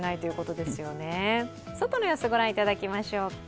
外の様子御覧いただきましょうか。